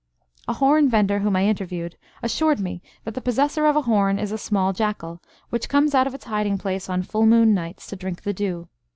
A horn vendor, whom I interviewed, assured me that the possessor of a horn is a small jackal, which comes out of its hiding place on full moon nights to drink the dew.